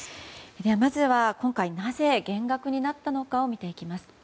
まずは今回、なぜ減額になったのかを見ていきます。